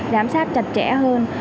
giám sát chặt chẽ hơn